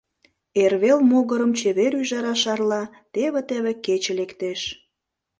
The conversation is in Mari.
Эрвел могырым чевер ӱжара шарла, теве-теве кече лектеш.